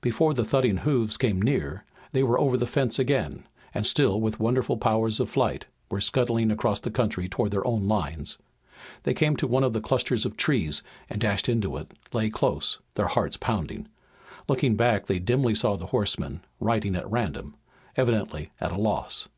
Before the thudding hoofs came near they were over the fence again, and, still with wonderful powers of flight, were scudding across the country toward their own lines. They came to one of the clusters of trees and dashing into it lay close, their hearts pounding. Looking back they dimly saw the horsemen, riding at random, evidently at a loss.